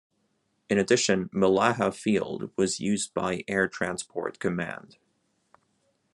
In addition, Mellaha Field was used by Air Transport Command.